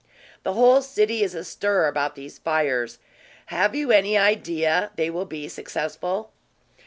"The whole city is astir about these fires. Have you any idea they will be successful?"